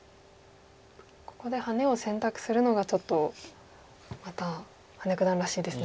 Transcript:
ここでハネを選択するのがちょっとまた羽根九段らしいですね。